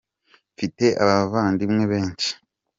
mfite abavandimwe benshi.